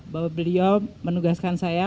bahwa beliau menugaskan saya